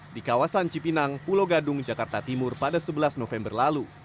di kawasan cipinang pulau gadung jakarta timur pada sebelas november lalu